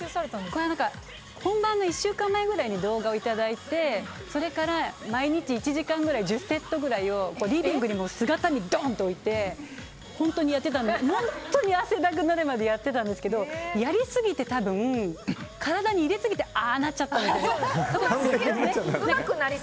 これは本番の１週間前くらいに動画をいただいてそれから毎日１時間ぐらい１０セットぐらいをリビングに姿見をドンと置いて本当に汗だくになるくらいやってたんですけどやりすぎて、体に入れすぎてああなっちゃったのかな。